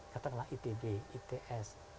katakanlah itb its